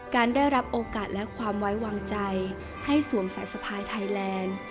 การได้รับโอกาสและความไว้วางใจให้สวมสายสะพายไทยแลนด์